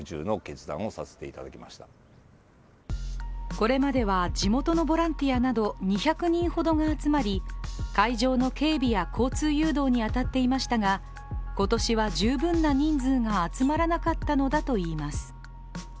これまでは地元のボランティアなど２００人ほどが集まり会場の警備や交通誘導に当たっていましたが今年は十分な人数が集まらなかったのだといいます。